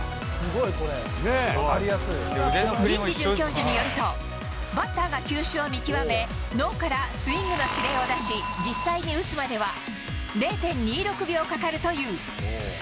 神事准教授によると、バッターが球種を見極め、脳からスイングの指令を出し、実際に打つまでは０．２６秒かかるという。